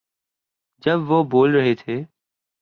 جب وہ بول رہے تھے۔